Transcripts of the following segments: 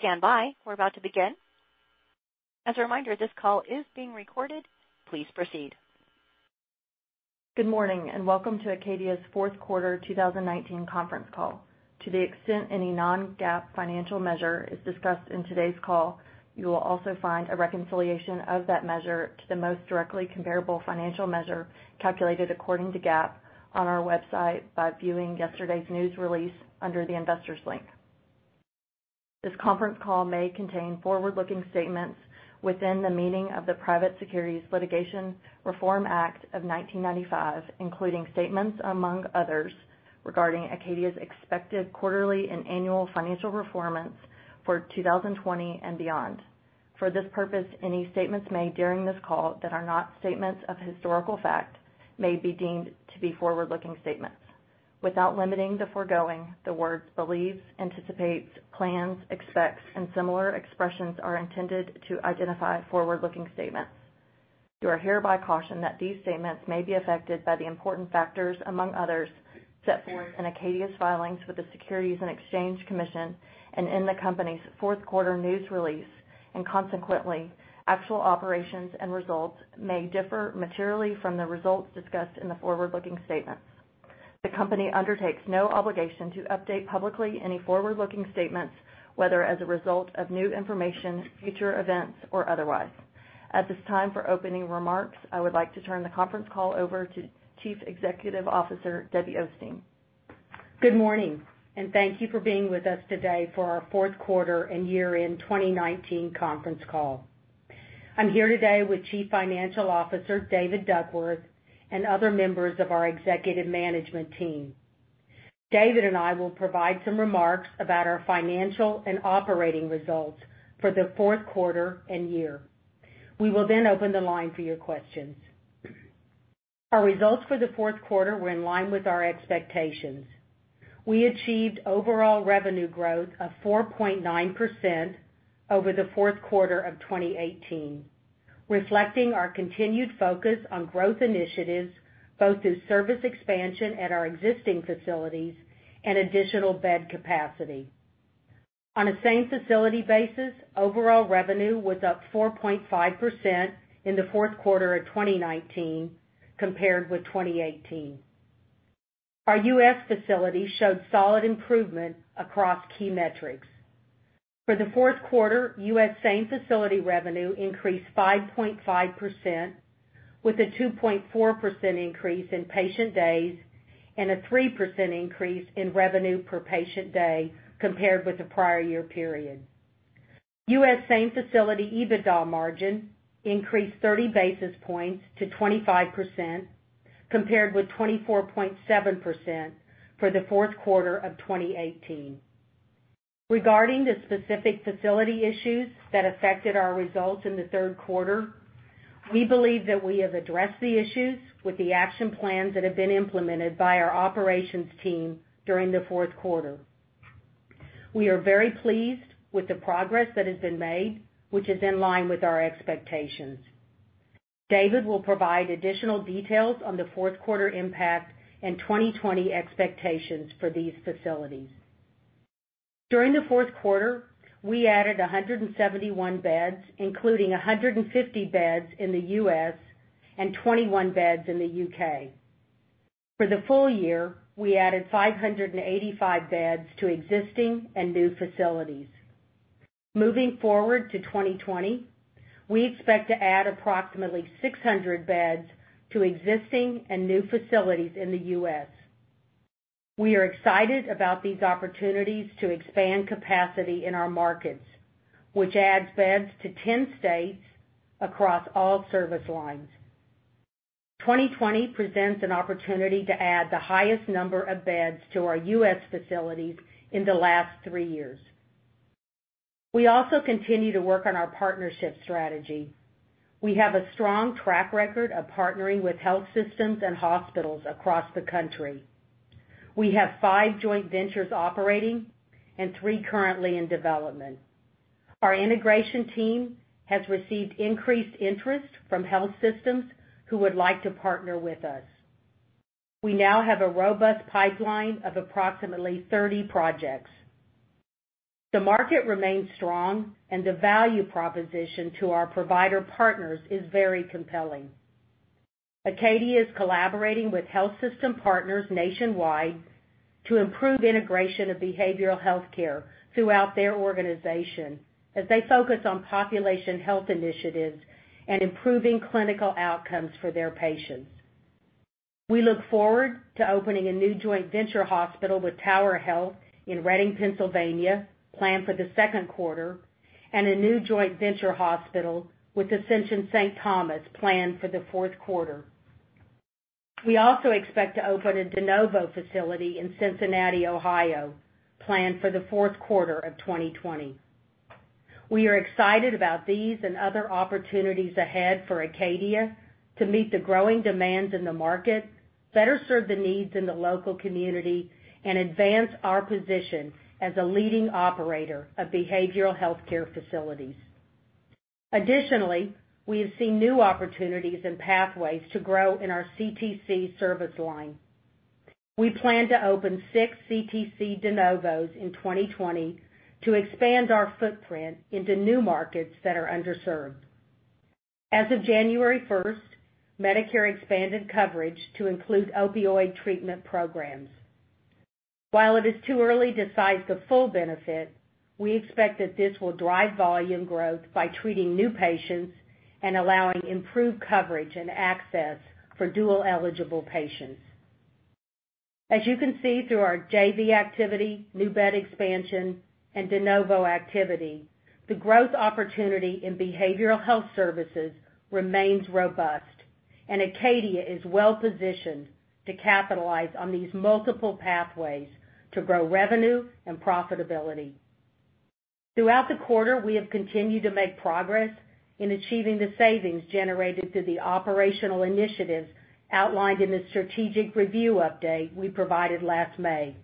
Good morning, and welcome to Acadia's fourth quarter 2019 conference call. To the extent any non-GAAP financial measure is discussed in today's call, you will also find a reconciliation of that measure to the most directly comparable financial measure calculated according to GAAP on our website by viewing yesterday's news release under the Investors link. This conference call may contain forward-looking statements within the meaning of the Private Securities Litigation Reform Act of 1995, including statements, among others, regarding Acadia's expected quarterly and annual financial performance for 2020 and beyond. For this purpose, any statements made during this call that are not statements of historical fact may be deemed to be forward-looking statements. Without limiting the foregoing, the words believes, anticipates, plans, expects, and similar expressions are intended to identify forward-looking statements. You are hereby cautioned that these statements may be affected by the important factors, among others, set forth in Acadia's filings with the Securities and Exchange Commission and in the company's fourth quarter news release, and consequently, actual operations and results may differ materially from the results discussed in the forward-looking statements. The company undertakes no obligation to update publicly any forward-looking statements, whether as a result of new information, future events, or otherwise. At this time, for opening remarks, I would like to turn the conference call over to Chief Executive Officer, Debbie Osteen. Good morning, and thank you for being with us today for our fourth quarter and year-end 2019 conference call. I'm here today with Chief Financial Officer, David Duckworth, and other members of our executive management team. David and I will provide some remarks about our financial and operating results for the fourth quarter and year. We will open the line for your questions. Our results for the fourth quarter were in line with our expectations. We achieved overall revenue growth of 4.9% over the fourth quarter of 2018, reflecting our continued focus on growth initiatives, both through service expansion at our existing facilities and additional bed capacity. On a same-facility basis, overall revenue was up 4.5% in the fourth quarter of 2019 compared with 2018. Our U.S. facilities showed solid improvement across key metrics. For the fourth quarter, U.S. same-facility revenue increased 5.5%, with a 2.4% increase in patient days and a 3% increase in revenue per patient day compared with the prior year period. U.S. same-facility EBITDA margin increased 30 basis points to 25%, compared with 24.7% for the fourth quarter of 2018. Regarding the specific facility issues that affected our results in the third quarter, we believe that we have addressed the issues with the action plans that have been implemented by our operations team during the fourth quarter. We are very pleased with the progress that has been made, which is in line with our expectations. David will provide additional details on the fourth quarter impact and 2020 expectations for these facilities. During the fourth quarter, we added 171 beds, including 150 beds in the U.S. and 21 beds in the U.K. For the full-year, we added 585 beds to existing and new facilities. Moving forward to 2020, we expect to add approximately 600 beds to existing and new facilities in the U.S. We are excited about these opportunities to expand capacity in our markets, which adds beds to 10 states across all service lines. 2020 presents an opportunity to add the highest number of beds to our U.S. facilities in the last three years. We also continue to work on our partnership strategy. We have a strong track record of partnering with health systems and hospitals across the country. We have five joint ventures operating and three currently in development. Our integration team has received increased interest from health systems who would like to partner with us. We now have a robust pipeline of approximately 30 projects. The market remains strong, and the value proposition to our provider partners is very compelling. Acadia is collaborating with health system partners nationwide to improve integration of behavioral healthcare throughout their organization as they focus on population health initiatives and improving clinical outcomes for their patients. We look forward to opening a new joint venture hospital with Tower Health in Reading, Pennsylvania, planned for the second quarter, and a new joint venture hospital with Ascension Saint Thomas, planned for the fourth quarter. We also expect to open a de novo facility in Cincinnati, Ohio, planned for the fourth quarter of 2020. We are excited about these and other opportunities ahead for Acadia to meet the growing demands in the market, better serve the needs in the local community, and advance our position as a leading operator of behavioral healthcare facilities. We have seen new opportunities and pathways to grow in our CTC service line. We plan to open six CTC de novos in 2020 to expand our footprint into new markets that are underserved. As of January 1st, Medicare expanded coverage to include opioid treatment programs. While it is too early to cite the full benefit, we expect that this will drive volume growth by treating new patients and allowing improved coverage and access for dual-eligible patients. As you can see through our JV activity, new bed expansion, and de novo activity, the growth opportunity in behavioral health services remains robust, and Acadia is well-positioned to capitalize on these multiple pathways to grow revenue and profitability. Throughout the quarter, we have continued to make progress in achieving the savings generated through the operational initiatives outlined in the strategic review update we provided last May.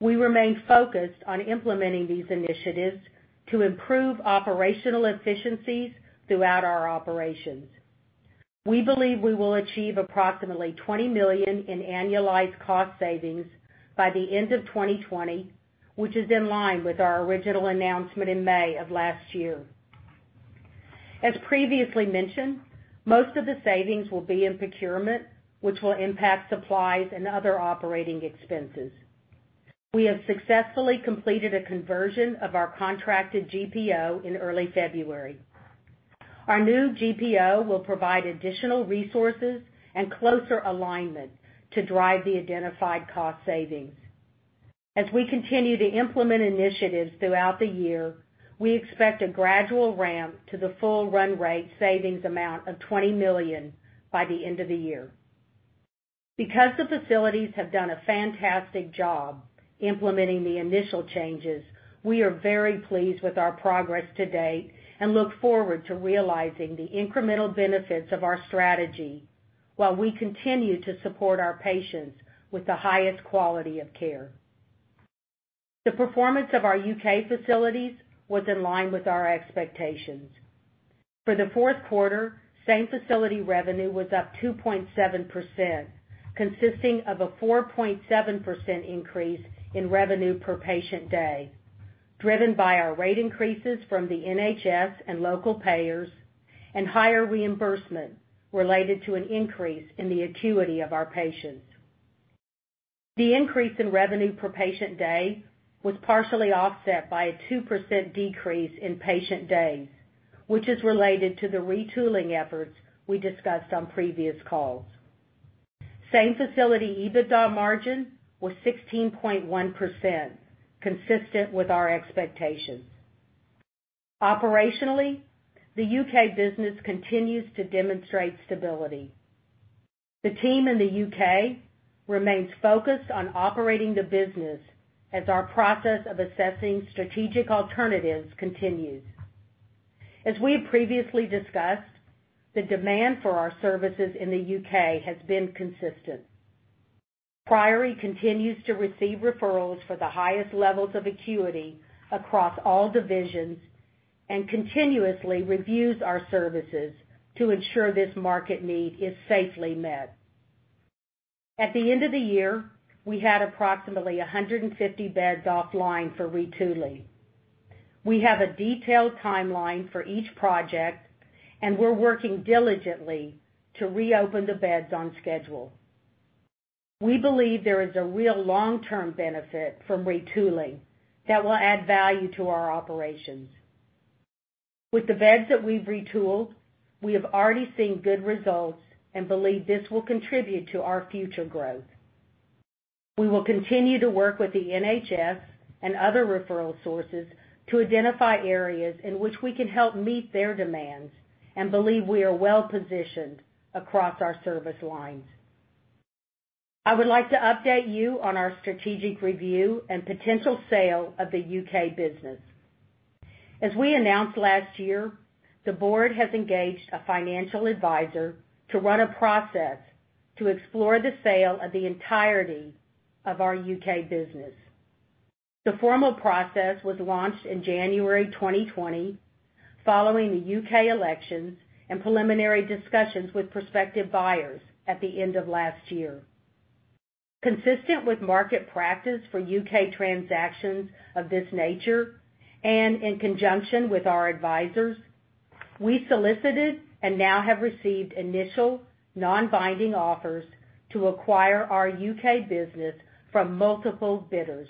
We remain focused on implementing these initiatives to improve operational efficiencies throughout our operations. We believe we will achieve approximately $20 million in annualized cost savings by the end of 2020, which is in line with our original announcement in May of last year. As previously mentioned, most of the savings will be in procurement, which will impact supplies and other operating expenses. We have successfully completed a conversion of our contracted GPO in early February. Our new GPO will provide additional resources and closer alignment to drive the identified cost savings. As we continue to implement initiatives throughout the year, we expect a gradual ramp to the full run rate savings amount of $20 million by the end of the year. Because the facilities have done a fantastic job implementing the initial changes, we are very pleased with our progress to date and look forward to realizing the incremental benefits of our strategy while we continue to support our patients with the highest quality of care. The performance of our U.K. facilities was in line with our expectations. For the fourth quarter, same-facility revenue was up 2.7%, consisting of a 4.7% increase in revenue per patient day, driven by our rate increases from the NHS and local payers and higher reimbursement related to an increase in the acuity of our patients. The increase in revenue per patient day was partially offset by a 2% decrease in patient days, which is related to the retooling efforts we discussed on previous calls. Same-facility EBITDA margin was 16.1%, consistent with our expectations. Operationally, the U.K. business continues to demonstrate stability. The team in the U.K. remains focused on operating the business as our process of assessing strategic alternatives continues. As we have previously discussed, the demand for our services in the U.K. has been consistent. Priory continues to receive referrals for the highest levels of acuity across all divisions and continuously reviews our services to ensure this market need is safely met. At the end of the year, we had approximately 150 beds offline for retooling. We have a detailed timeline for each project, and we're working diligently to reopen the beds on schedule. We believe there is a real long-term benefit from retooling that will add value to our operations. With the beds that we've retooled, we have already seen good results and believe this will contribute to our future growth. We will continue to work with the NHS and other referral sources to identify areas in which we can help meet their demands and believe we are well-positioned across our service lines. I would like to update you on our strategic review and potential sale of the U.K. business. As we announced last year, the board has engaged a financial advisor to run a process to explore the sale of the entirety of our U.K. business. The formal process was launched in January 2020, following the U.K. elections and preliminary discussions with prospective buyers at the end of last year. Consistent with market practice for U.K. transactions of this nature and in conjunction with our advisors, we solicited and now have received initial non-binding offers to acquire our U.K. business from multiple bidders.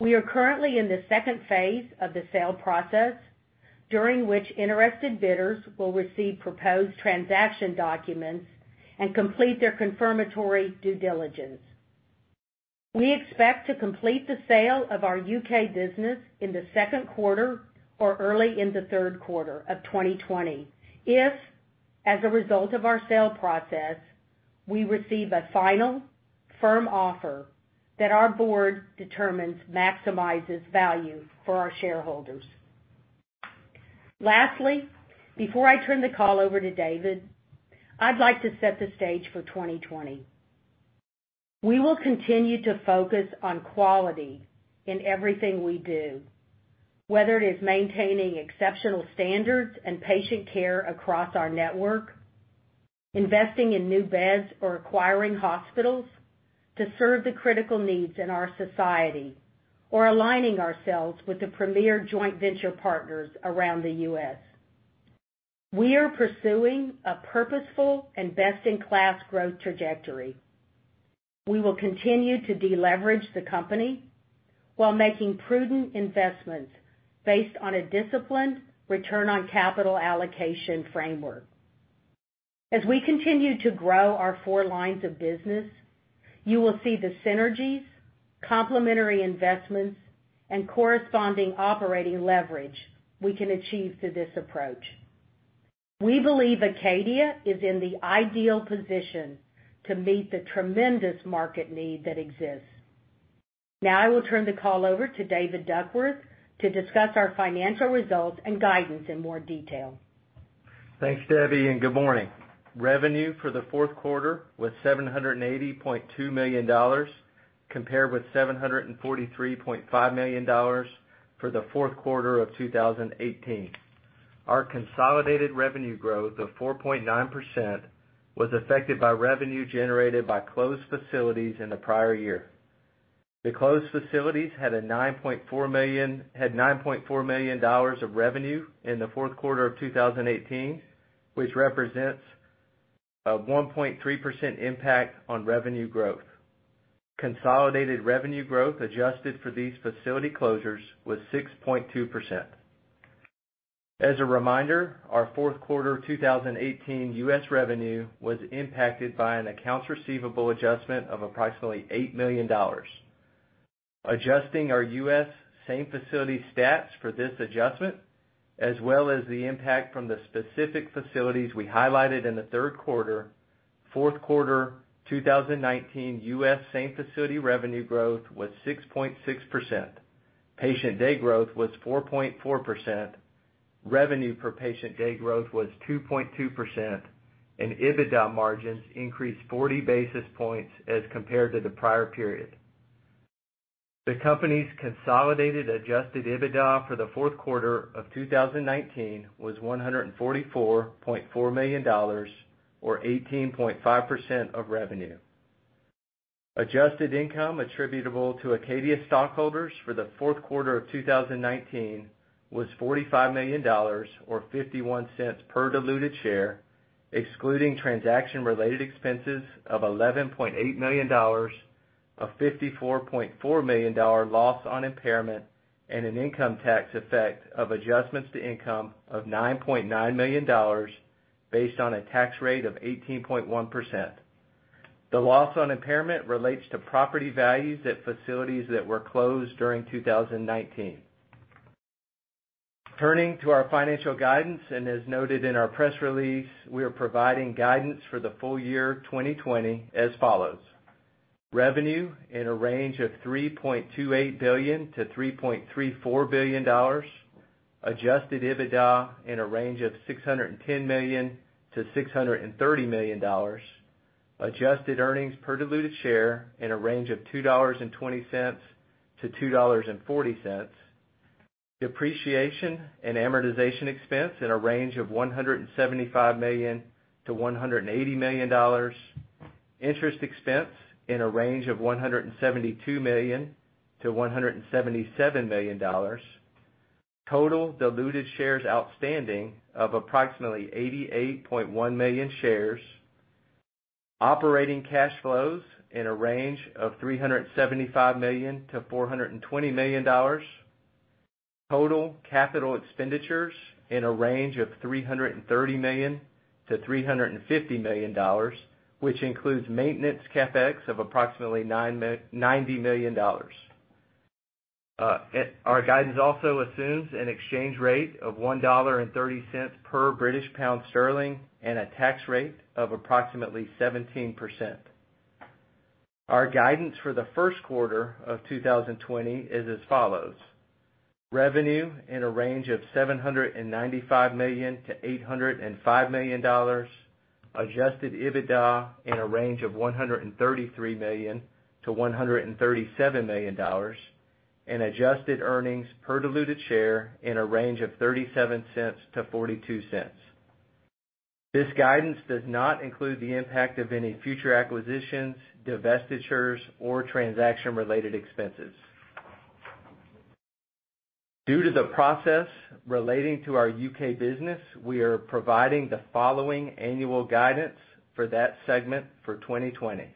We are currently in the second phase of the sale process, during which interested bidders will receive proposed transaction documents and complete their confirmatory due diligence. We expect to complete the sale of our U.K. business in the second quarter or early in the third quarter of 2020 if, as a result of our sale process, we receive a final firm offer that our board determines maximizes value for our shareholders. Lastly, before I turn the call over to David, I'd like to set the stage for 2020. We will continue to focus on quality in everything we do, whether it is maintaining exceptional standards and patient care across our network, investing in new beds, or acquiring hospitals to serve the critical needs in our society, or aligning ourselves with the premier joint venture partners around the U.S. We are pursuing a purposeful and best-in-class growth trajectory. We will continue to deleverage the company while making prudent investments based on a disciplined return on capital allocation framework. As we continue to grow our four lines of business, you will see the synergies, complementary investments, and corresponding operating leverage we can achieve through this approach. We believe Acadia is in the ideal position to meet the tremendous market need that exists. Now I will turn the call over to David Duckworth to discuss our financial results and guidance in more detail. Thanks, Debbie, and good morning. Revenue for the fourth quarter was $780.2 million, compared with $743.5 million for the fourth quarter of 2018. Our consolidated revenue growth of 4.9% was affected by revenue generated by closed facilities in the prior year. The closed facilities had $9.4 million of revenue in the fourth quarter of 2018, which represents a 1.3% impact on revenue growth. Consolidated revenue growth adjusted for these facility closures was 6.2%. As a reminder, our fourth quarter 2018 U.S. revenue was impacted by an accounts receivable adjustment of approximately $8 million. Adjusting our U.S. same-facility stats for this adjustment as well as the impact from the specific facilities we highlighted in the third quarter, fourth quarter 2019 U.S. same-facility revenue growth was 6.6%. Patient day growth was 4.4%, revenue per patient day growth was 2.2%, and EBITDA margins increased 40 basis points as compared to the prior period. The company's consolidated adjusted EBITDA for the fourth quarter of 2019 was $144.4 million, or 18.5% of revenue. Adjusted income attributable to Acadia stockholders for the fourth quarter of 2019 was $45 million or $0.51 per diluted share, excluding transaction-related expenses of $11.8 million, a $54.4 million loss on impairment, and an income tax effect of adjustments to income of $9.9 million based on a tax rate of 18.1%. The loss on impairment relates to property values at facilities that were closed during 2019. As noted in our press release, we are providing guidance for the full-year 2020 as follows. Revenue in a range of $3.28 billion-$3.34 billion, adjusted EBITDA in a range of $610 million-$630 million, adjusted earnings per diluted share in a range of $2.20-$2.40, depreciation and amortization expense in a range of $175 million-$180 million, interest expense in a range of $172 million-$177 million, total diluted shares outstanding of approximately 88.1 million shares, operating cash flows in a range of $375 million-$420 million, total capital expenditures in a range of $330 million-$350 million, which includes maintenance CapEx of approximately $90 million. Our guidance also assumes an exchange rate of $1.30 per British pound sterling and a tax rate of approximately 17%. Our guidance for the first quarter of 2020 is as follows. Revenue in a range of $795 million to $805 million, adjusted EBITDA in a range of $133 million-$137 million, and adjusted earnings per diluted share in a range of $0.37-$0.42. This guidance does not include the impact of any future acquisitions, divestitures, or transaction-related expenses. Due to the process relating to our U.K. business, we are providing the following annual guidance for that segment for 2020.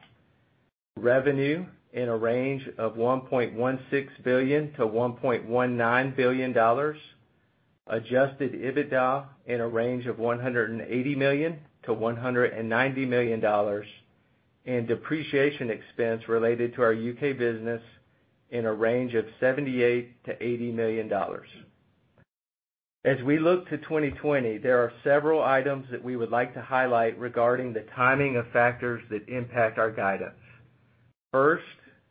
Revenue in a range of $1.16 billion-$1.19 billion, adjusted EBITDA in a range of $180 million-$190 million, and depreciation expense related to our U.K. business in a range of $78 million-$80 million. As we look to 2020, there are several items that we would like to highlight regarding the timing of factors that impact our guidance.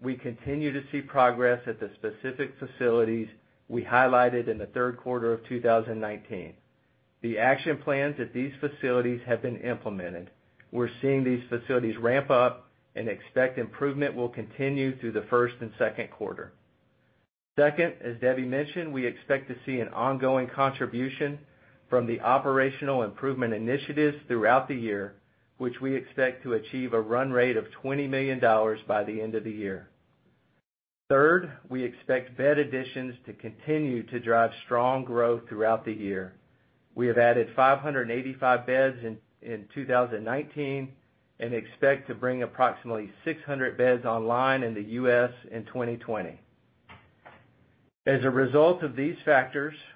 We continue to see progress at the specific facilities we highlighted in the third quarter of 2019. The action plans at these facilities have been implemented. We're seeing these facilities ramp up and expect improvement will continue through the first and second quarter. As Debbie mentioned, we expect to see an ongoing contribution from the operational improvement initiatives throughout the year, which we expect to achieve a run rate of $20 million by the end of the year. We expect bed additions to continue to drive strong growth throughout the year. We have added 585 beds in 2019, and expect to bring approximately 600 beds online in the U.S. in 2020.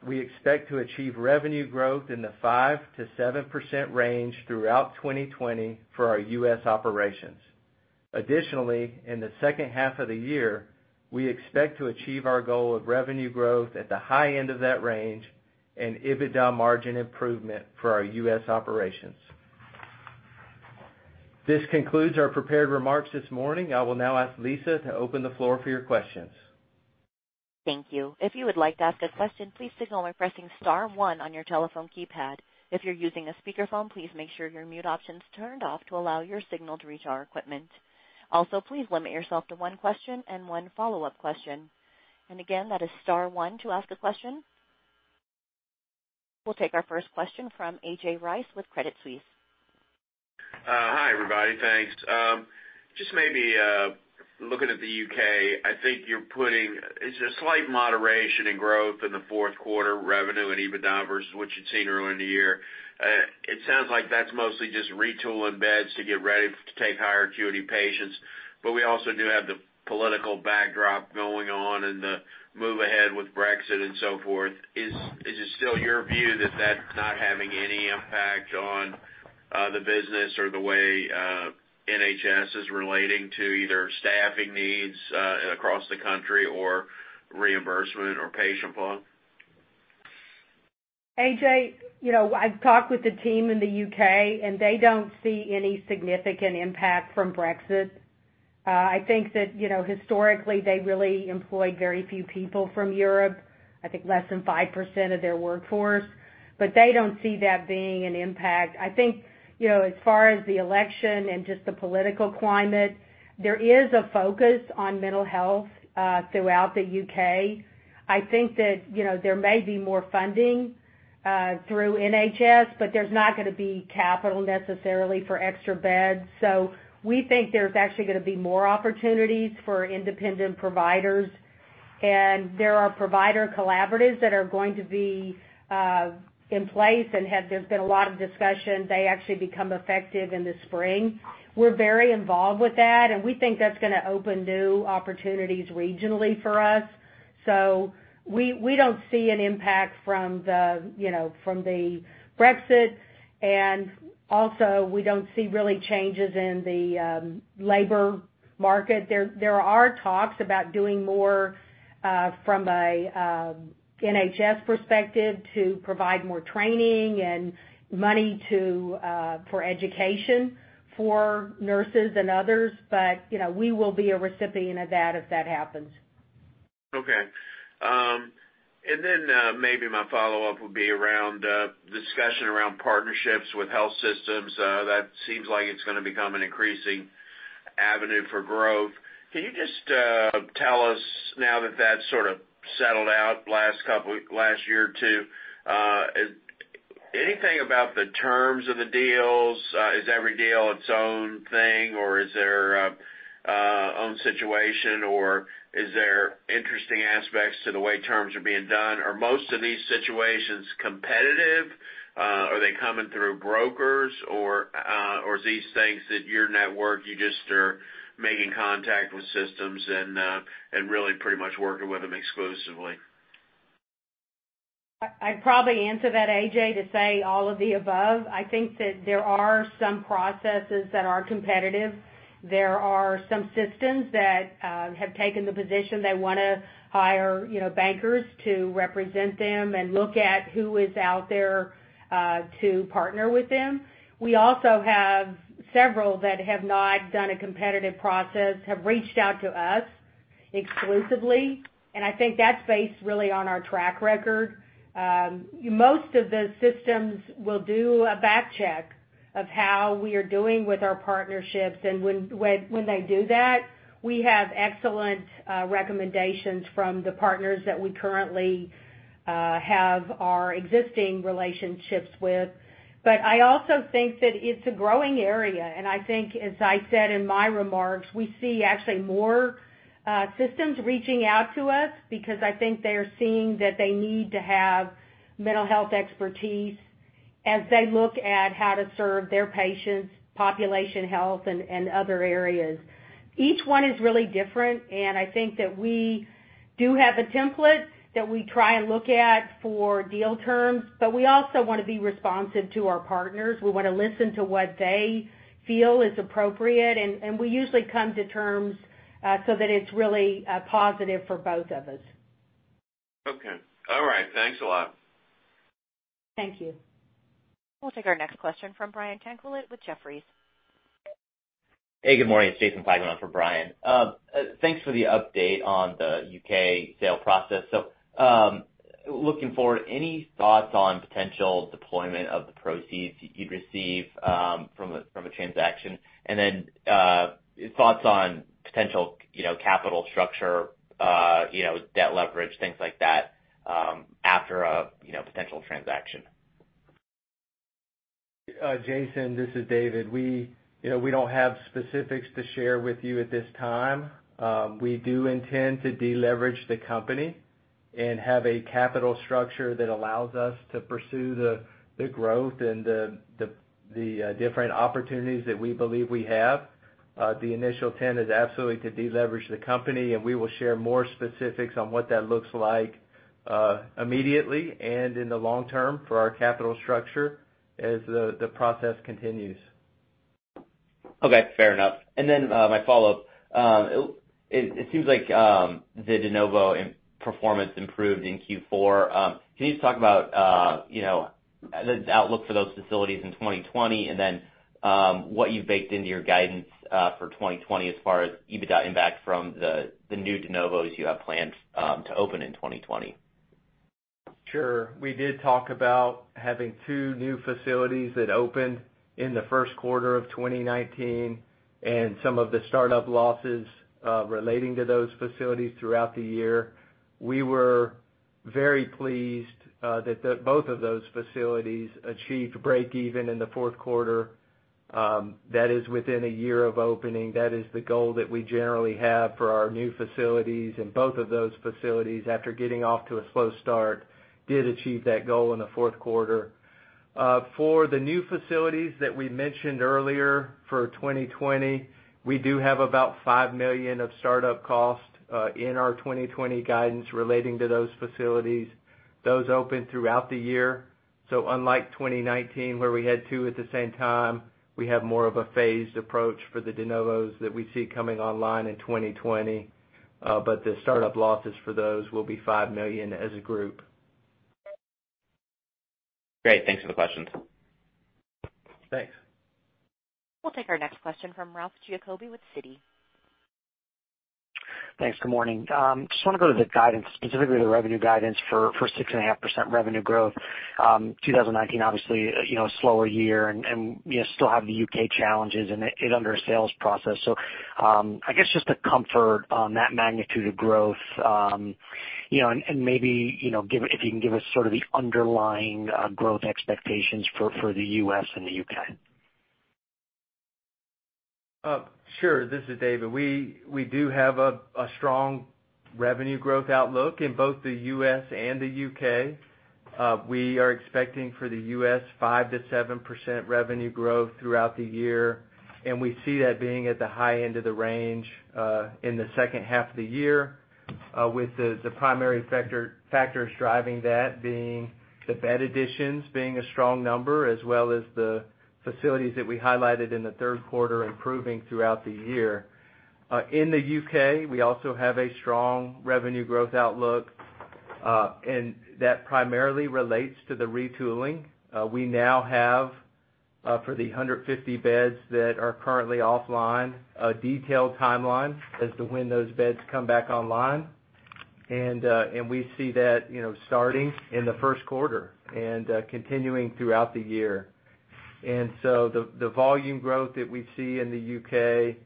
We expect to achieve revenue growth in the 5%-7% range throughout 2020 for our U.S. operations. Additionally, in the second half of the year, we expect to achieve our goal of revenue growth at the high end of that range and EBITDA margin improvement for our U.S. operations. This concludes our prepared remarks this morning. I will now ask Lisa to open the floor for your questions. Thank you. If you would like to ask a question, please signal by pressing star one on your telephone keypad. If you're using a speakerphone, please make sure your mute option's turned off to allow your signal to reach our equipment. Please limit yourself to one question and one follow-up question. Again, that is star one to ask a question. We'll take our first question from A.J. Rice with Credit Suisse. Hi, everybody. Thanks. Just maybe looking at the U.K., I think you're putting It's a slight moderation in growth in the fourth quarter revenue and EBITDA versus what you'd seen earlier in the year. It sounds like that's mostly just retooling beds to get ready to take higher acuity patients. We also do have the political backdrop going on and the move ahead with Brexit and so forth. Is it still your view that that's not having any impact on the business or the way NHS is relating to either staffing needs across the country or reimbursement or patient flow? A.J., I've talked with the team in the U.K., and they don't see any significant impact from Brexit. I think that historically, they really employed very few people from Europe, I think less than 5% of their workforce. They don't see that being an impact. I think, as far as the election and just the political climate, there is a focus on mental health throughout the U.K. I think that there may be more funding through NHS, there's not going to be capital necessarily for extra beds. We think there's actually going to be more opportunities for independent providers. There are provider collaboratives that are going to be in place and there's been a lot of discussion. They actually become effective in the spring. We're very involved with that, and we think that's going to open new opportunities regionally for us. We don't see an impact from the Brexit, and also, we don't see really changes in the labor market. There are talks about doing more from a NHS perspective to provide more training and money for education for nurses and others. We will be a recipient of that if that happens. Okay. Maybe my follow-up would be around discussion around partnerships with health systems. That seems like it's going to become an increasing avenue for growth. Can you just tell us, now that that sort of settled out last year or two, anything about the terms of the deals? Is every deal its own thing, or is their own situation, or is there interesting aspects to the way terms are being done? Are most of these situations competitive? Are they coming through brokers, or is these things that your network, you just are making contact with systems and really pretty much working with them exclusively? I'd probably answer that, A.J., to say all of the above. I think that there are some processes that are competitive. There are some systems that have taken the position they want to hire bankers to represent them and look at who is out there to partner with them. We also have several that have not done a competitive process, have reached out to us exclusively, and I think that's based really on our track record. Most of the systems will do a back check of how we are doing with our partnerships. When they do that, we have excellent recommendations from the partners that we currently have our existing relationships with. I also think that it's a growing area, and I think, as I said in my remarks, we see actually more systems reaching out to us because I think they're seeing that they need to have mental health expertise as they look at how to serve their patients' population health and other areas. Each one is really different, and I think that we do have a template that we try and look at for deal terms, but we also want to be responsive to our partners. We want to listen to what they feel is appropriate, and we usually come to terms so that it's really positive for both of us. Okay. All right. Thanks a lot. Thank you. We'll take our next question from Brian Tanquilut with Jefferies. Hey, good morning. It's Jason Plagman for Brian. Thanks for the update on the U.K. sale process. Looking forward, any thoughts on potential deployment of the proceeds you'd receive from a transaction? Thoughts on potential capital structure, debt leverage, things like that, after a potential transaction. Jason, this is David. We don't have specifics to share with you at this time. We do intend to de-leverage the company and have a capital structure that allows us to pursue the growth and the different opportunities that we believe we have. The initial intent is absolutely to de-leverage the company, and we will share more specifics on what that looks like immediately and in the long term for our capital structure as the process continues. Okay, fair enough. My follow-up. It seems like the de novo performance improved in Q4. Can you just talk about the outlook for those facilities in 2020, and then what you've baked into your guidance for 2020 as far as EBITDA impact from the new de novos you have planned to open in 2020? Sure. We did talk about having two new facilities that opened in the first quarter of 2019 and some of the startup losses relating to those facilities throughout the year. We were very pleased that both of those facilities achieved breakeven in the fourth quarter. That is within a year of opening. That is the goal that we generally have for our new facilities, and both of those facilities, after getting off to a slow start, did achieve that goal in the fourth quarter. For the new facilities that we mentioned earlier for 2020, we do have about $5 million of start-up costs in our 2020 guidance relating to those facilities. Those open throughout the year. Unlike 2019, where we had two at the same time, we have more of a phased approach for the de novos that we see coming online in 2020. The start-up losses for those will be $5 million as a group. Great. Thanks for the questions. Thanks. We'll take our next question from Ralph Giacobbe with Citi. Thanks. Good morning. Just want to go to the guidance, specifically the revenue guidance for 6.5% revenue growth. 2019, obviously, a slower year, and you still have the U.K. challenges and it under a sales process. I guess just the comfort on that magnitude of growth, and maybe if you can give us sort of the underlying growth expectations for the U.S. and the U.K. Sure. This is David. We do have a strong revenue growth outlook in both the U.S. and the U.K. We are expecting for the U.S. 5%-7% revenue growth throughout the year. We see that being at the high end of the range, in the second half of the year, with the primary factors driving that being the bed additions being a strong number, as well as the facilities that we highlighted in the third quarter improving throughout the year. In the U.K., we also have a strong revenue growth outlook. That primarily relates to the retooling. We now have, for the 150 beds that are currently offline, a detailed timeline as to when those beds come back online. We see that starting in the first quarter and continuing throughout the year. The volume growth that we see in the U.K.,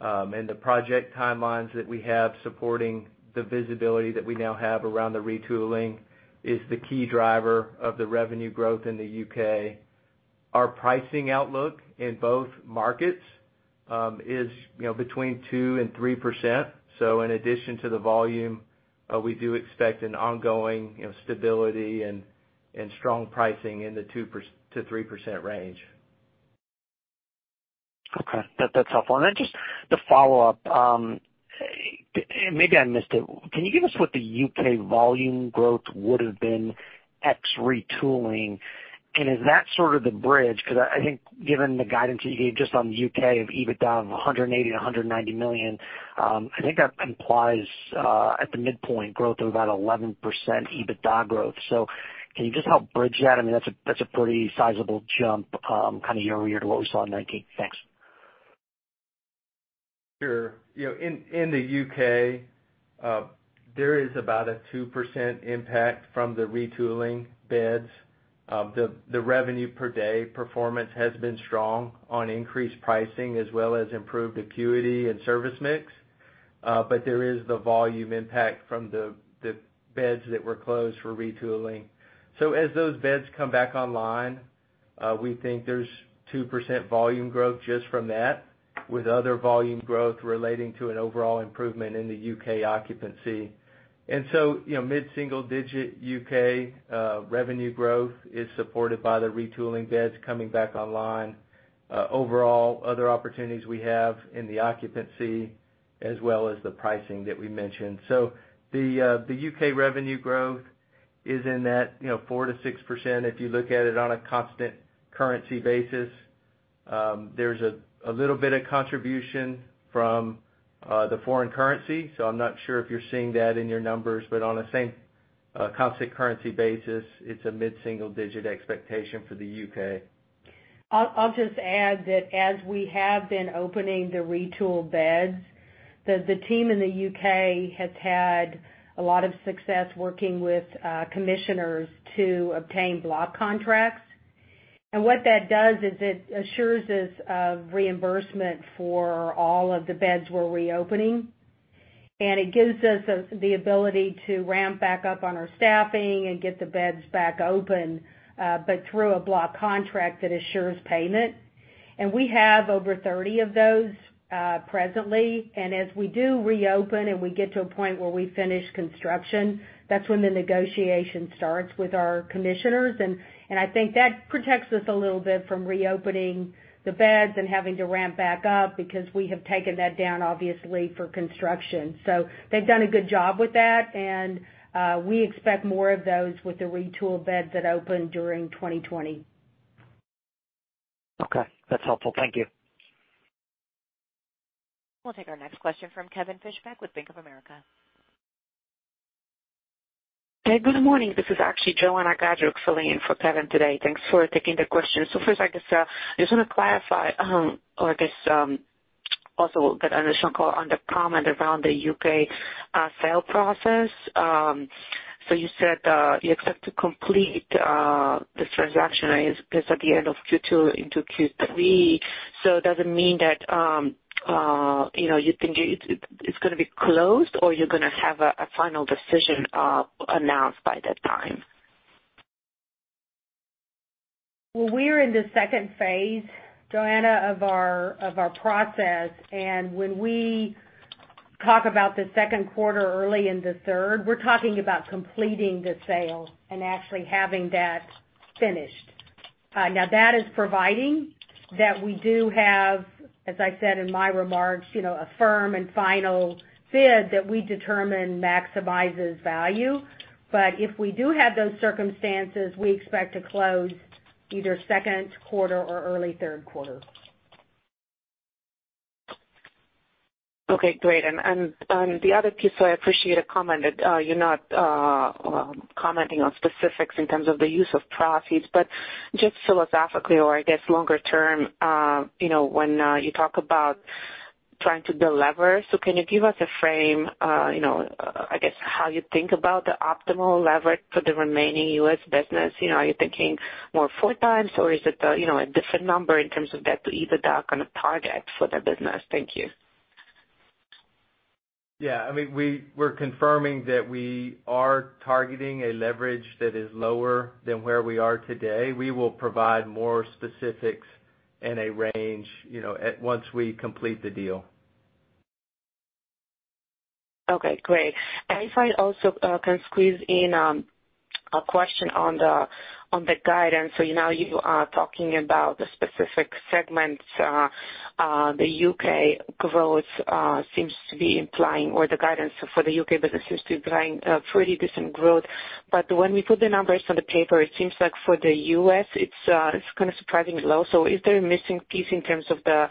and the project timelines that we have supporting the visibility that we now have around the retooling is the key driver of the revenue growth in the U.K. Our pricing outlook in both markets is between 2%-3%. In addition to the volume, we do expect an ongoing stability and strong pricing in the 2%-3% range. Okay. That's helpful. Then just to follow up, maybe I missed it. Can you give us what the U.K. volume growth would've been ex retooling? Is that sort of the bridge? I think given the guidance that you gave just on the U.K. of EBITDA of 180 million-190 million, I think that implies, at the midpoint, growth of about 11% EBITDA growth. Can you just help bridge that? I mean, that's a pretty sizable jump kind of year-over-year to what we saw in 2019. Thanks. Sure. In the U.K., there is about a 2% impact from the retooling beds. The revenue per day performance has been strong on increased pricing as well as improved acuity and service mix. There is the volume impact from the beds that were closed for retooling. As those beds come back online, we think there's 2% volume growth just from that, with other volume growth relating to an overall improvement in the U.K. occupancy. Mid-single digit U.K. revenue growth is supported by the retooling beds coming back online. Overall, other opportunities we have in the occupancy as well as the pricing that we mentioned. The U.K. revenue growth is in that 4%-6% if you look at it on a constant currency basis. There's a little bit of contribution from the foreign currency, so I'm not sure if you're seeing that in your numbers, but on a same constant currency basis. It's a mid-single digit expectation for the U.K. I'll just add that as we have been opening the retool beds, the team in the U.K. has had a lot of success working with commissioners to obtain block contracts. What that does is it assures us of reimbursement for all of the beds we're reopening, and it gives us the ability to ramp back up on our staffing and get the beds back open, but through a block contract that assures payment. We have over 30 of those presently. As we do reopen and we get to a point where we finish construction, that's when the negotiation starts with our commissioners, and I think that protects us a little bit from reopening the beds and having to ramp back up because we have taken that down obviously for construction. They've done a good job with that, and we expect more of those with the retool beds that open during 2020. Okay. That's helpful. Thank you. We'll take our next question from Kevin Fischbeck with Bank of America. Hey, good morning. This is actually Joanna Gajuk filling in for Kevin today. Thanks for taking the question. First, I just want to clarify, or I guess, also get additional color on the comment around the U.K. sale process. You said, you expect to complete this transaction, I guess at the end of Q2 into Q3. Does it mean that it's going to be closed or you're going to have a final decision announced by that time? Well, we're in the second phase, Joanna, of our process. When we talk about the second quarter early in the third, we're talking about completing the sale and actually having that finished. Now, that is providing that we do have, as I said in my remarks, a firm and final bid that we determine maximizes value. If we do have those circumstances, we expect to close either second quarter or early third quarter. Okay, great. The other piece I appreciate a comment that you're not commenting on specifics in terms of the use of proceeds, but just philosophically or I guess longer term, when you talk about trying to delever, so can you give us a frame, I guess, how you think about the optimal leverage for the remaining U.S. business? Are you thinking more 4x or is it a different number in terms of debt to EBITDA kind of target for the business? Thank you. Yeah. We're confirming that we are targeting a leverage that is lower than where we are today. We will provide more specifics and a range once we complete the deal. Okay, great. If I also can squeeze in a question on the guidance. Now you are talking about the specific segments, the U.K. growth seems to be implying, or the guidance for the U.K. business seems to be implying a pretty decent growth. When we put the numbers on the paper, it seems like for the U.S., it's kind of surprisingly low. Is there a missing piece in terms of the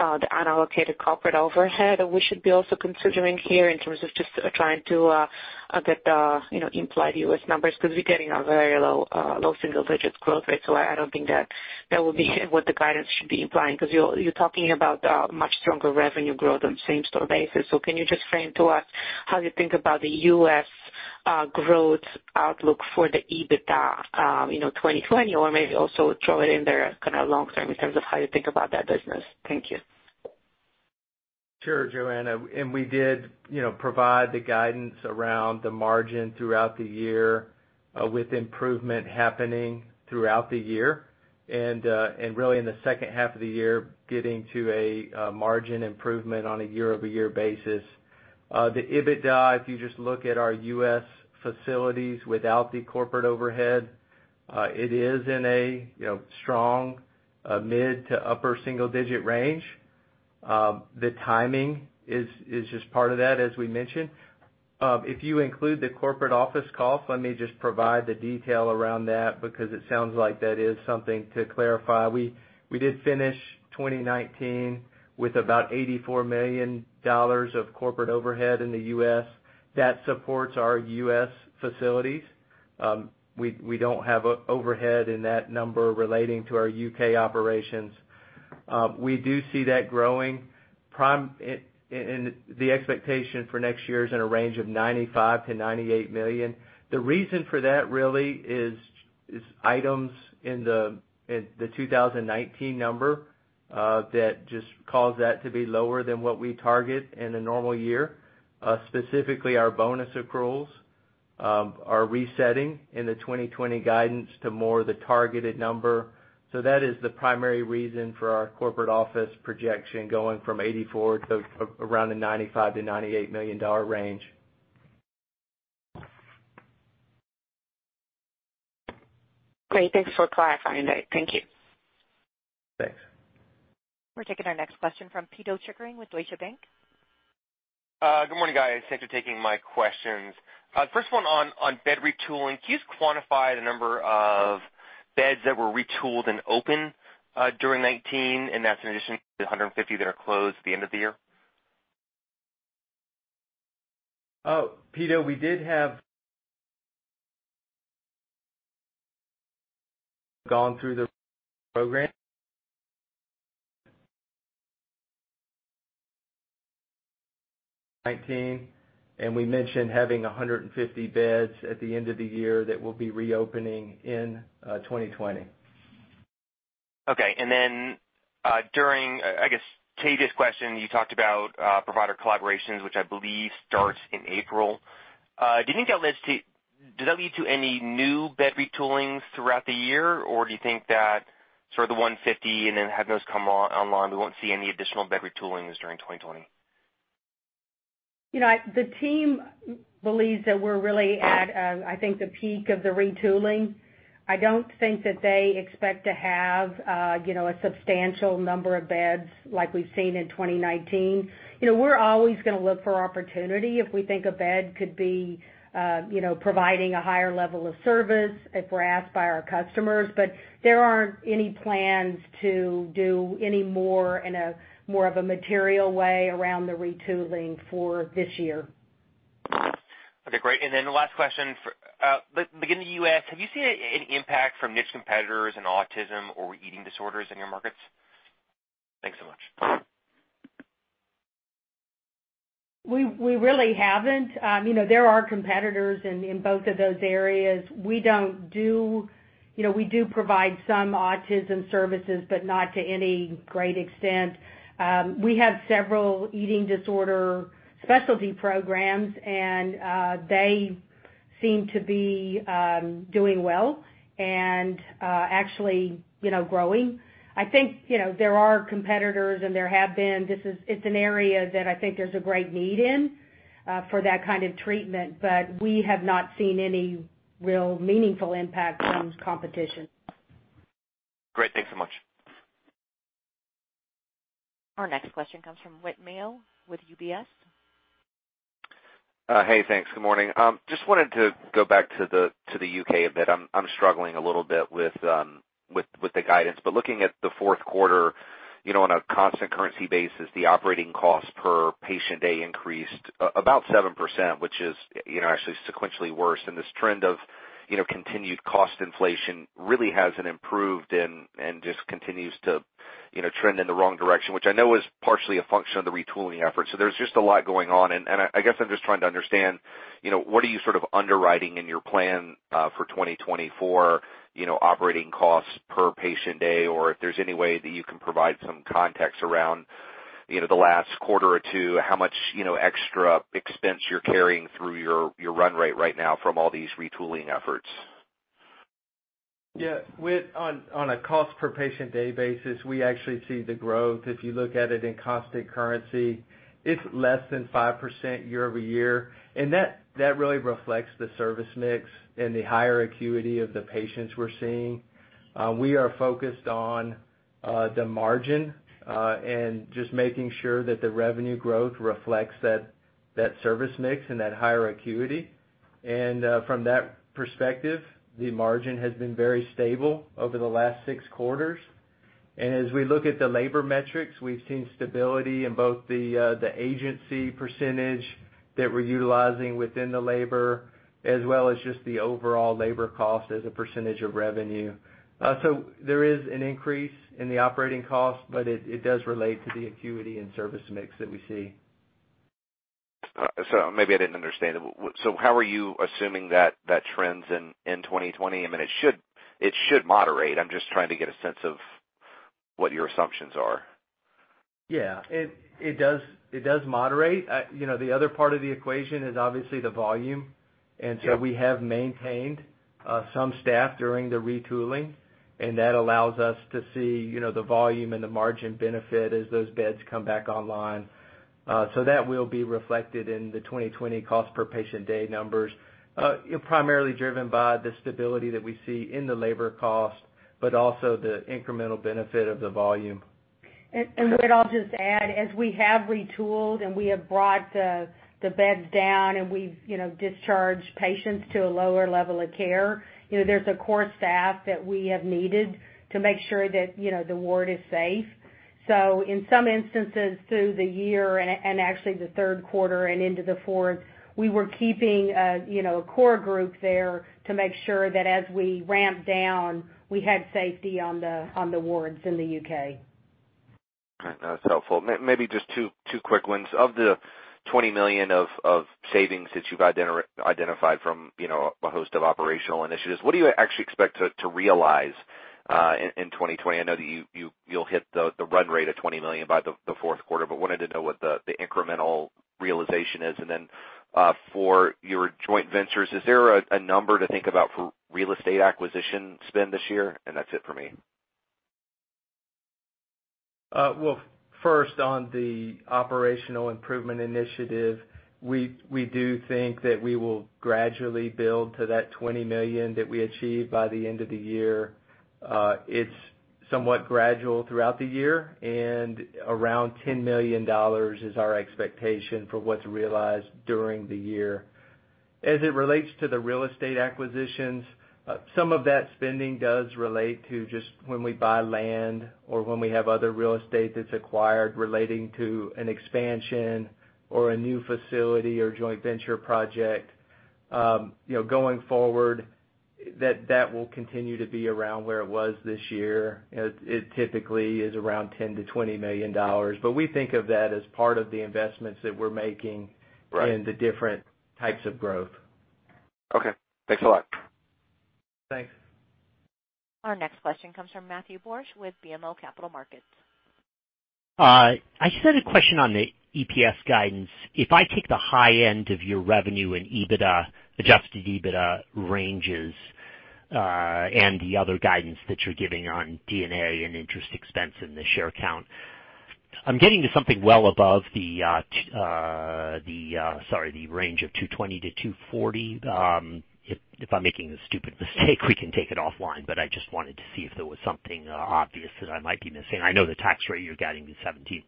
unallocated corporate overhead that we should be also considering here in terms of just trying to get the implied U.S. numbers? Because we're getting a very low single-digit growth rate. I don't think that will be what the guidance should be implying because you're talking about much stronger revenue growth on same-store basis. Can you just frame to us how you think about the U.S. growth outlook for the EBITDA 2020 or maybe also throw it in there kind of long term in terms of how you think about that business? Thank you. Sure, Joanna. We did provide the guidance around the margin throughout the year with improvement happening throughout the year. Really in the second half of the year, getting to a margin improvement on a year-over-year basis. The EBITDA, if you just look at our U.S. facilities without the corporate overhead, it is in a strong mid to upper single-digit range. The timing is just part of that, as we mentioned. If you include the corporate office cost, let me just provide the detail around that because it sounds like that is something to clarify. We did finish 2019 with about $84 million of corporate overhead in the U.S. That supports our U.S. facilities. We don't have overhead in that number relating to our U.K. operations. We do see that growing. The expectation for next year is in a range of $95 million-$98 million. The reason for that really is items in the 2019 number that just cause that to be lower than what we target in a normal year. Specifically, our bonus accruals are resetting in the 2020 guidance to more the targeted number. That is the primary reason for our corporate office projection going from $84 million to around the $95 million-$98 million range. Great. Thanks for clarifying that. Thank you. Thanks. We're taking our next question from Pito Chickering with Deutsche Bank. Good morning, guys. Thanks for taking my questions. First one on bed retooling. Can you quantify the number of beds that were retooled and open during 2019, and that's in addition to the 150 that are closed at the end of the year? Pito, we gone through the program 19, and we mentioned having 150 beds at the end of the year that will be reopening in 2020. Okay. During, I guess, A.J.'s question, you talked about provider collaborations, which I believe starts in April. Do you think that leads to any new bed retoolings throughout the year? Do you think that sort of the 150 and then having those come online, we won't see any additional bed retoolings during 2020? The team believes that we're really at, I think, the peak of the retooling. I don't think that they expect to have a substantial number of beds like we've seen in 2019. We're always going to look for opportunity if we think a bed could be providing a higher level of service, if we're asked by our customers. There aren't any plans to do any more in a more of a material way around the retooling for this year. Okay, great. The last question. Beginning of the U.S., have you seen an impact from niche competitors in autism or eating disorders in your markets? Thanks so much. We really haven't. There are competitors in both of those areas. We do provide some autism services, but not to any great extent. We have several eating disorder specialty programs, and they seem to be doing well and actually growing. I think, there are competitors and there have been. It's an area that I think there's a great need in for that kind of treatment, but we have not seen any real meaningful impact from competition. Great. Thanks so much. Our next question comes from Whit Mayo with UBS. Hey, thanks. Good morning. Just wanted to go back to the U.K. a bit. I'm struggling a little bit with the guidance. Looking at the fourth quarter, on a constant currency basis, the operating cost per patient day increased about 7%, which is actually sequentially worse. This trend of continued cost inflation really hasn't improved and just continues to trend in the wrong direction, which I know is partially a function of the retooling effort. There's just a lot going on, and I guess I'm just trying to understand, what are you sort of underwriting in your plan for 2020 operating costs per patient day? If there's any way that you can provide some context around the last quarter or two, how much extra expense you're carrying through your run rate right now from all these retooling efforts? Yeah. Whit, on a cost per patient day basis, we actually see the growth. If you look at it in constant currency, it's less than 5% year-over-year. That really reflects the service mix and the higher acuity of the patients we're seeing. We are focused on the margin, and just making sure that the revenue growth reflects that service mix and that higher acuity. From that perspective, the margin has been very stable over the last six quarters. As we look at the labor metrics, we've seen stability in both the agency percentage that we're utilizing within the labor, as well as just the overall labor cost as a percentage of revenue. There is an increase in the operating cost, but it does relate to the acuity and service mix that we see. Maybe I didn't understand it. How are you assuming that trends in 2020? I mean, it should moderate. I'm just trying to get a sense of what your assumptions are. Yeah. It does moderate. The other part of the equation is obviously the volume. Yeah. We have maintained some staff during the retooling, and that allows us to see the volume and the margin benefit as those beds come back online. That will be reflected in the 2020 cost per patient day numbers, primarily driven by the stability that we see in the labor cost, but also the incremental benefit of the volume. Whit, I'll just add, as we have retooled and we have brought the beds down and we've discharged patients to a lower level of care, there's a core staff that we have needed to make sure that the ward is safe. In some instances through the year and actually the third quarter and into the fourth, we were keeping a core group there to make sure that as we ramped down, we had safety on the wards in the U.K. All right. That's helpful. Maybe just two quick ones. Of the $20 million of savings that you've identified from a host of operational initiatives, what do you actually expect to realize in 2020? I know that you'll hit the run rate of $20 million by the fourth quarter, but wanted to know what the incremental realization is. For your joint ventures, is there a number to think about for real estate acquisition spend this year? That's it for me. First, on the operational improvement initiative, we do think that we will gradually build to that $20 million that we achieved by the end of the year. It's somewhat gradual throughout the year, around $10 million is our expectation for what's realized during the year. As it relates to the real estate acquisitions, some of that spending does relate to just when we buy land or when we have other real estate that's acquired relating to an expansion or a new facility or joint venture project. Going forward, that will continue to be around where it was this year. It typically is around $10 million-$20 million. We think of that as part of the investments that we're making Right in the different types of growth. Okay. Thanks a lot. Thanks. Our next question comes from Matthew Borsch with BMO Capital Markets. I just had a question on the EPS guidance. If I take the high end of your revenue and adjusted EBITDA ranges, and the other guidance that you're giving on D&A and interest expense in the share count, I'm getting to something well above the range of $2.20-$2.40. If I'm making a stupid mistake, we can take it offline, but I just wanted to see if there was something obvious that I might be missing. I know the tax rate you're guiding is 17%.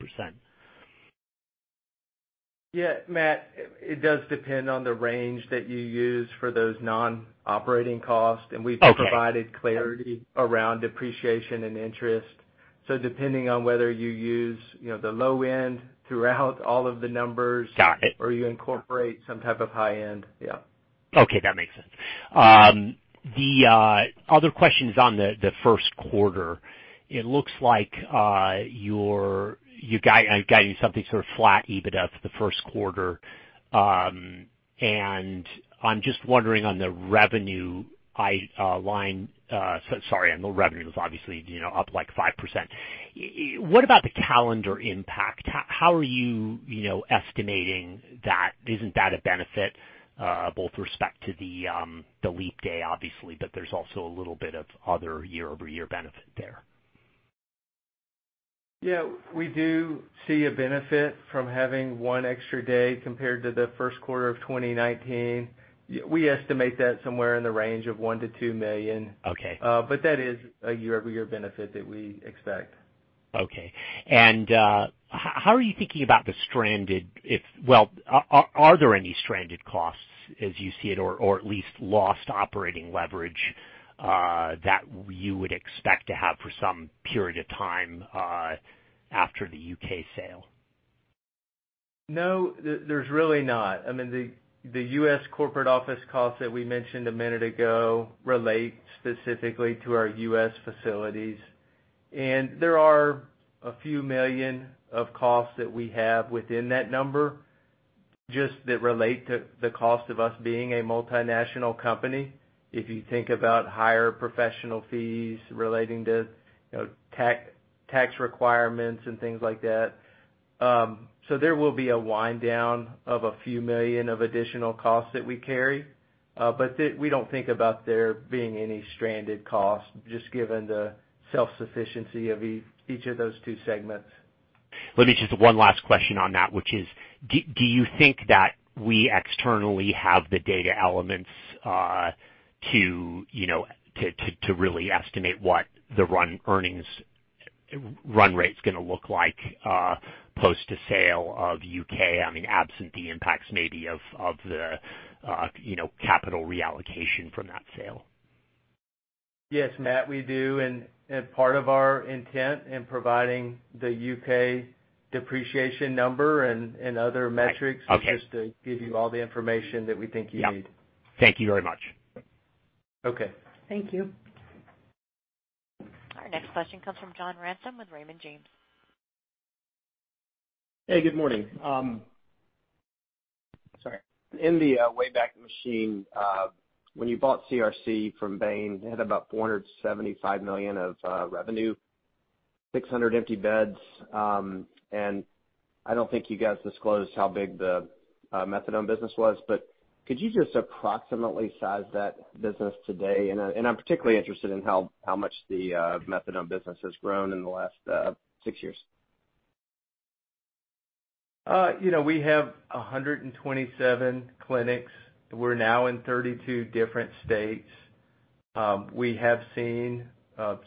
Yeah, Matt, it does depend on the range that you use for those non-operating costs. Okay. We've provided clarity around depreciation and interest. Depending on whether you use the low end throughout all of the numbers. Got it. You incorporate some type of high end, yeah. Okay. That makes sense. The other question is on the first quarter. It looks like you're guiding something sort of flat EBITDA for the first quarter. I'm just wondering on the revenue, it was obviously up like 5%. What about the calendar impact? How are you estimating that? Isn't that a benefit, both respect to the leap day, obviously, but there's also a little bit of other year-over-year benefit there? Yeah, we do see a benefit from having one extra day compared to the first quarter of 2019. We estimate that somewhere in the range of $1 million-$2 million. Okay. That is a year-over-year benefit that we expect. Okay. How are you thinking about Well, are there any stranded costs as you see it, or at least lost operating leverage that you would expect to have for some period of time after the U.K. sale? No, there's really not. The U.S. corporate office costs that we mentioned a minute ago relate specifically to our U.S. facilities. There are a few million of costs that we have within that number, just that relate to the cost of us being a multinational company. If you think about higher professional fees relating to tax requirements and things like that. There will be a wind down of a few million of additional costs that we carry. We don't think about there being any stranded costs, just given the self-sufficiency of each of those two segments. Let me just, one last question on that, which is, do you think that we externally have the data elements to really estimate what the run rate's going to look like post the sale of U.K., absent the impacts maybe of the capital reallocation from that sale? Yes, Matt, we do. Part of our intent in providing the U.K. depreciation number and other metrics Okay is just to give you all the information that we think you need. Yep. Thank you very much. Okay. Thank you. Our next question comes from John Ransom with Raymond James. Hey, good morning. Sorry. In the way back machine, when you bought CRC from Bain, they had about $475 million of revenue, 600 empty beds. I don't think you guys disclosed how big the methadone business was. Could you just approximately size that business today? I'm particularly interested in how much the methadone business has grown in the last six years. We have 127 clinics. We're now in 32 different states. We have seen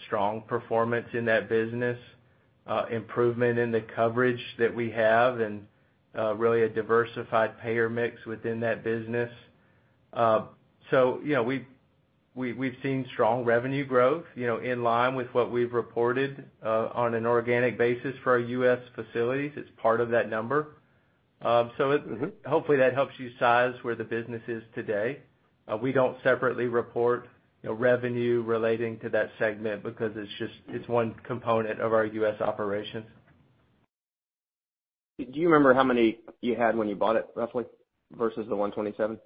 strong performance in that business, improvement in the coverage that we have, and really a diversified payer mix within that business. We've seen strong revenue growth in line with what we've reported on an organic basis for our U.S. facilities. It's part of that number. Hopefully that helps you size where the business is today. We don't separately report revenue relating to that segment because it's one component of our U.S. operations. Do you remember how many you had when you bought it, roughly, versus the 127?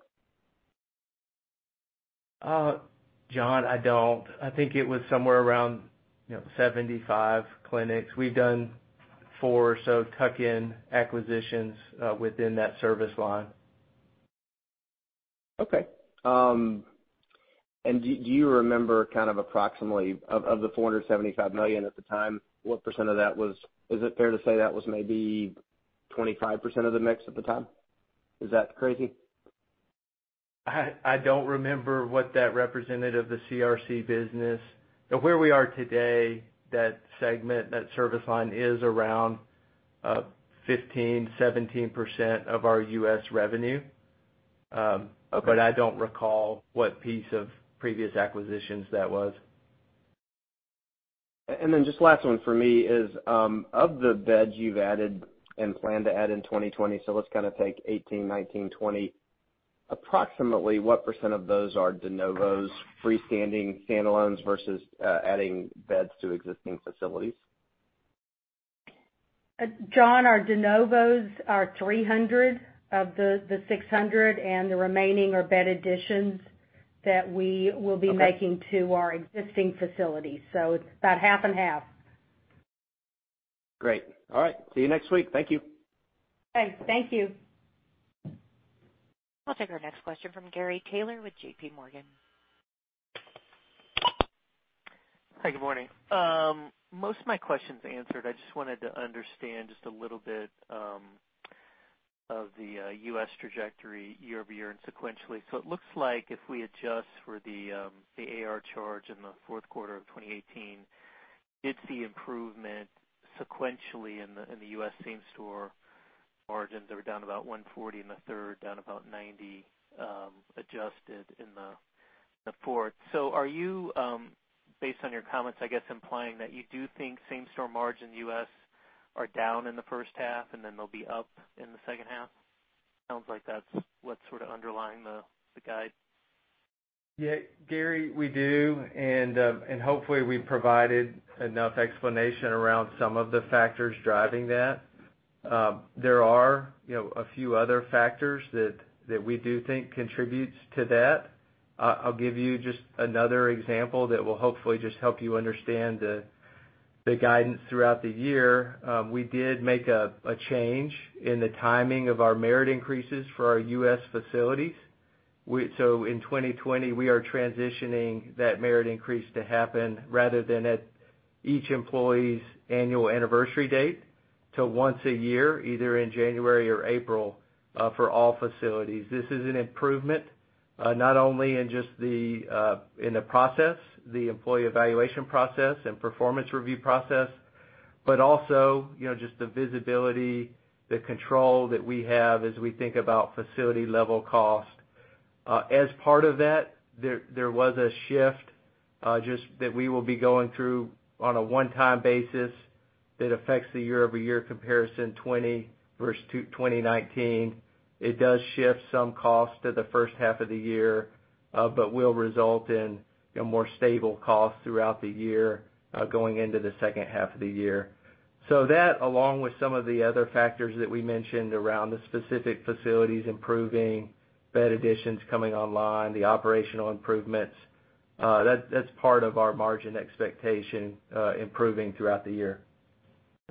John, I don't. I think it was somewhere around 75 clinics. We've done four or so tuck-in acquisitions within that service line. Okay. Do you remember approximately, of the $475 million at the time, what percent of that is it fair to say that was maybe 25% of the mix at the time? Is that crazy? I don't remember what that represented of the CRC business. Where we are today, that segment, that service line is around 15%-17% of our U.S. revenue. Okay. I don't recall what piece of previous acquisitions that was. Then just last one for me is, of the beds you've added and plan to add in 2020, so let's take 2018, 2019, 2020, approximately what percent of those are de novos, freestanding standalones versus adding beds to existing facilities? John, our de novos are 300 of the 600, and the remaining are bed additions that we will be making Okay to our existing facilities. It's about half and half. Great. All right. See you next week. Thank you. Okay. Thank you. I'll take our next question from Gary Taylor with JPMorgan. Hi, good morning. Most of my questions are answered. I just wanted to understand just a little bit of the U.S. trajectory year-over-year and sequentially. It looks like if we adjust for the AR charge in the fourth quarter of 2018, did see improvement sequentially in the U.S. same-store margins that were down about 140 in the third, down about 90 adjusted in the fourth. Are you, based on your comments, I guess, implying that you do think same-store margin U.S. are down in the first half and then they'll be up in the second half? Sounds like that's what's sort of underlying the guide. Yeah, Gary, we do. Hopefully we provided enough explanation around some of the factors driving that. There are a few other factors that we do think contributes to that. I'll give you just another example that will hopefully just help you understand the guidance throughout the year. We did make a change in the timing of our merit increases for our U.S. facilities. In 2020, we are transitioning that merit increase to happen, rather than at each employee's annual anniversary date, to once a year, either in January or April, for all facilities. This is an improvement, not only in just the process, the employee evaluation process and performance review process, but also just the visibility, the control that we have as we think about facility-level cost. As part of that, there was a shift that we will be going through on a one-time basis that affects the year-over-year comparison 2020 versus 2019. It does shift some costs to the first half of the year, but will result in more stable costs throughout the year, going into the second half of the year. That, along with some of the other factors that we mentioned around the specific facilities improving, bed additions coming online, the operational improvements, that's part of our margin expectation improving throughout the year.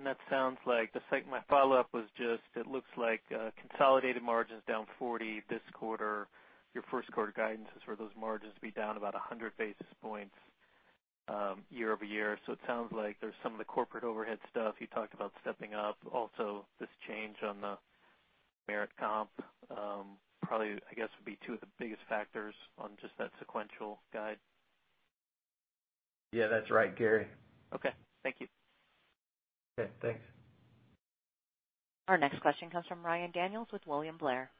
That sounds like My follow-up was just, it looks like consolidated margins down 40 this quarter. Your first quarter guidance is for those margins to be down about 100 basis points year-over-year. It sounds like there's some of the corporate overhead stuff you talked about stepping up. Also, this change on the merit comp, probably, I guess, would be two of the biggest factors on just that sequential guide. Yeah. That's right, Gary. Okay. Thank you. Okay, thanks. Our next question comes from Ryan Daniels with William Blair.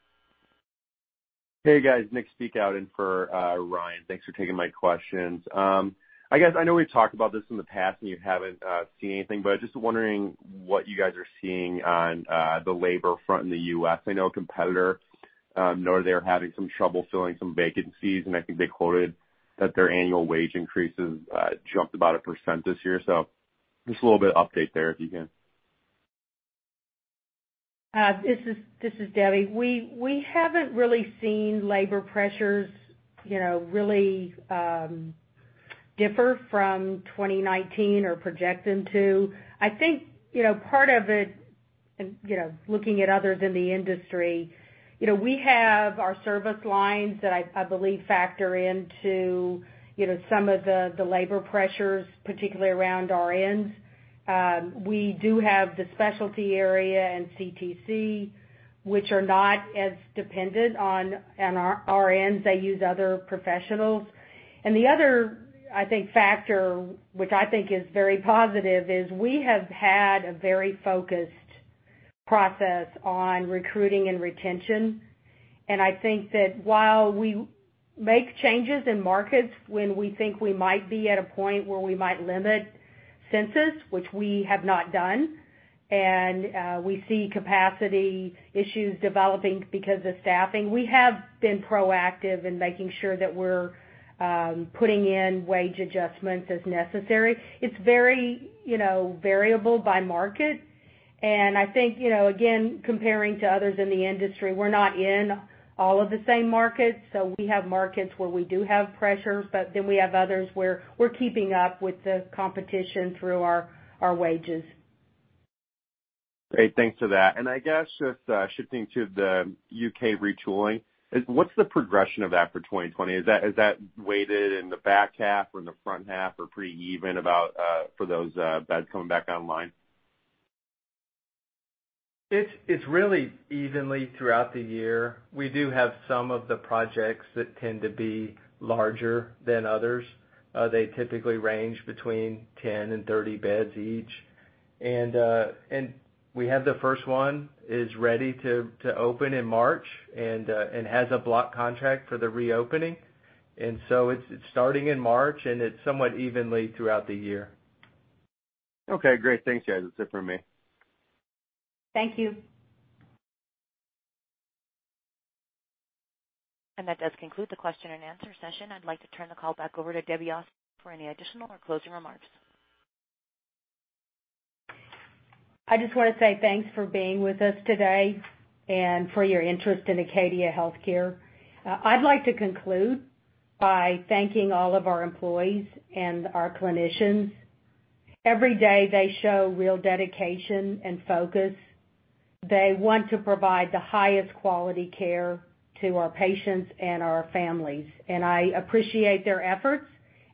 Hey, guys, Nick Spiekhout out in for Ryan. Thanks for taking my questions. I guess I know we've talked about this in the past and you haven't seen anything. Just wondering what you guys are seeing on the labor front in the U.S. I know a competitor north there having some trouble filling some vacancies, and I think they quoted that their annual wage increases jumped about 1% this year. Just a little bit of update there if you can. This is Debbie. We haven't really seen labor pressures really differ from 2019 or project into. I think part of it, looking at others in the industry, we have our service lines that I believe factor into some of the labor pressures, particularly around RNs. We do have the specialty area and CTC, which are not as dependent on RNs. They use other professionals. The other, I think, factor, which I think is very positive, is we have had a very focused process on recruiting and retention. I think that while we make changes in markets when we think we might be at a point where we might limit census, which we have not done, and we see capacity issues developing because of staffing, we have been proactive in making sure that we're putting in wage adjustments as necessary. It's very variable by market, and I think, again, comparing to others in the industry, we're not in all of the same markets, so we have markets where we do have pressures, but then we have others where we're keeping up with the competition through our wages. Great. Thanks for that. I guess just shifting to the U.K. retooling, what's the progression of that for 2020? Is that weighted in the back half or in the front half, or pretty even about for those beds coming back online? It's really evenly throughout the year. We do have some of the projects that tend to be larger than others. They typically range between 10 and 30 beds each. We have the first one is ready to open in March and has a block contract for the reopening. It's starting in March and it's somewhat evenly throughout the year. Okay, great. Thanks, guys. That's it for me. Thank you. That does conclude the question and answer session. I'd like to turn the call back over to Debbie Osteen for any additional or closing remarks. I just want to say thanks for being with us today and for your interest in Acadia Healthcare. I'd like to conclude by thanking all of our employees and our clinicians. Every day, they show real dedication and focus. They want to provide the highest quality care to our patients and our families, and I appreciate their efforts,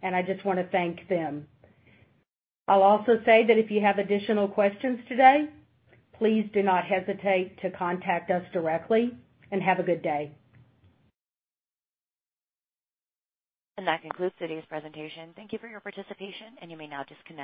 and I just want to thank them. I'll also say that if you have additional questions today, please do not hesitate to contact us directly, and have a good day. That concludes today's presentation. Thank you for your participation, and you may now disconnect.